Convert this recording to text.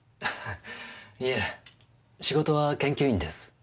いえ仕事は研究員です。